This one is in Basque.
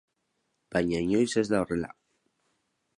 Baina inoiz ez da horrela.